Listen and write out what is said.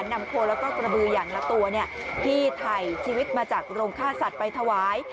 นำโคแล้วก็กระบืออย่างละตัวที่ถ่ายชีวิตมาจากโรงฆ่าสัตว์ไปถวาย